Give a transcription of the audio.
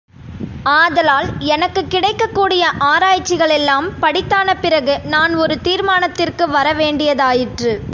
ஆதலால் எனக்குக் கிடைக்கக்கூடிய ஆராய்ச்சிகளையெல்லாம் படித்தான பிறகு நான் ஒரு தீர்மானத்திற்கு வர வேண்டியதாயிற்று.